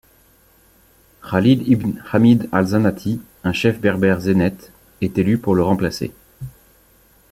Khalid ibn Hamid al-Zanati, un chef berbère zénète, est élu pour le remplacer.